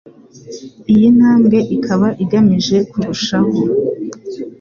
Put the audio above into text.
Iyi ntambwe ikaba igamije kurushaho